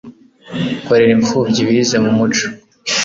kurera impfubyi bize mu muco